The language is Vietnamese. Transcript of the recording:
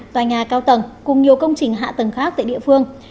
tòa nhà cao tầng cùng nhiều công trình hạ tầng khác tại địa phương